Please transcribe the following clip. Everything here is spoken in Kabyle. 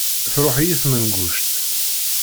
Truḥ-iyi tmenguct.